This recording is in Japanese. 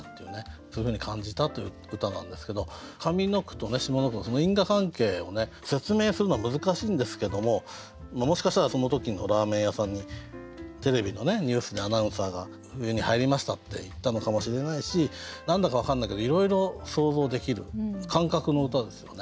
そういうふうに感じたという歌なんですけど上の句と下の句のその因果関係を説明するのは難しいんですけどももしかしたらその時のラーメン屋さんにテレビのニュースでアナウンサーが「冬に入りました」って言ったのかもしれないし何だか分かんないけどいろいろ想像できる感覚の歌ですよね。